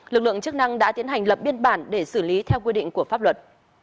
lực lượng chức năng đã tiến hành lập biên bản để xử lý theo quy định của pháp luật